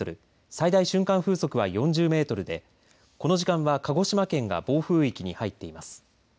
最大瞬間風速は４０メートルでこの時間は鹿児島県が暴風域に入っています。